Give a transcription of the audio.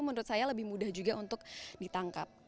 menurut saya lebih mudah juga untuk ditangkap